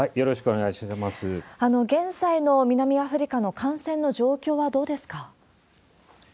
現在の南アフリカの感染の状況はどうですか？